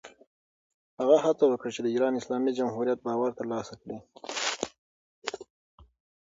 هغه هڅه وکړه، د ایران اسلامي جمهوریت باور ترلاسه کړي.